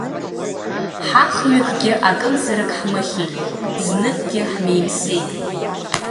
Ҳахҩыкгьы акымзарак ҳмыхьит, зныкгьы ҳмеимсеит.